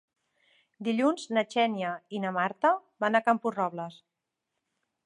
Dilluns na Xènia i na Marta van a Camporrobles.